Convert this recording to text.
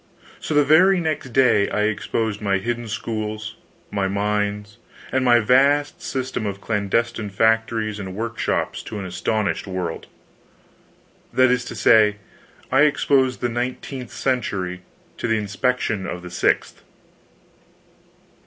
So, the very next day I exposed my hidden schools, my mines, and my vast system of clandestine factories and workshops to an astonished world. That is to say, I exposed the nineteenth century to the inspection of the sixth.